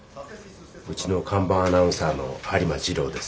うちの看板アナウンサーの有馬次郎です。